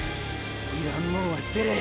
要らんもんは捨てる。